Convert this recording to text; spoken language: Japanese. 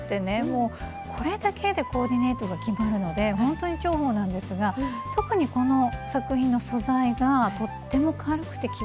もうこれだけでコーディネートが決まるのでほんとに重宝なんですが特にこの作品の素材がとっても軽くて着心地がいいんですよね。